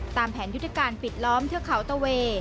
ตามแผนยุทธการปิดล้อมเทือกเขาตะเว